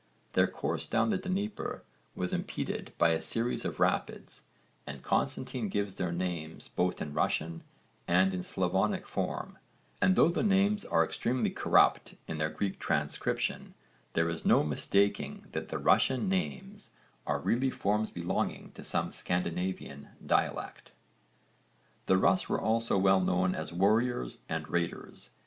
Their course down the Dnieper was impeded by a series of rapids, and Constantine gives their names both in 'Russian' and in Slavonic form, and though the names are extremely corrupt in their Greek transcription there is no mistaking that the 'Russian' names are really forms belonging to some Scandinavian dialect. The Rus were also well known as warriors and raiders.